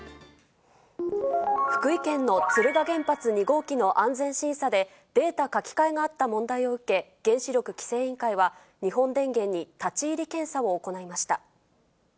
福井県の敦賀原発２号機の安全審査で、データ書き換えがあった問題を受け、原子力規制委員会は、日本原電に立ち入り検査を行いました。